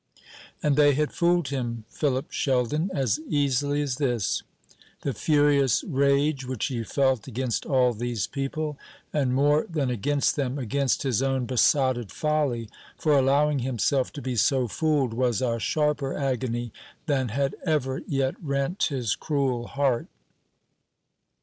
And they had fooled him, Philip Sheldon, as easily as this! The furious rage which he felt against all these people, and, more than against them, against his own besotted folly for allowing himself to be so fooled, was a sharper agony than had ever yet rent his cruel heart.